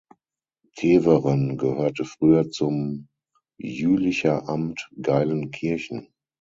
Teveren gehörte früher zum Jülicher Amt Geilenkirchen.